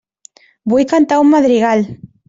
Vull cantar un madrigal.